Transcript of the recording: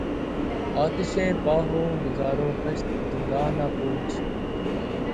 آتشیں پا ہوں گداز وحشت زنداں نہ پوچھ